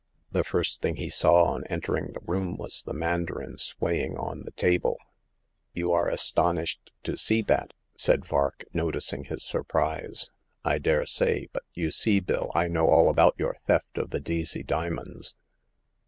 The first thing he saw on entering the room was the mandarin swaying on the table. You are astonished to see that," said Vark, noticing his surprise. " I daresay ; but you see. Bill, I know all about your theft of the Deacey diamonds."